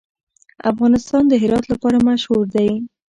افغانستان د هرات لپاره مشهور دی.